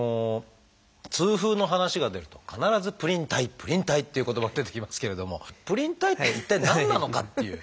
痛風の話が出ると必ず「プリン体」「プリン体」っていう言葉出てきますけれどもプリン体って一体何なのかっていう。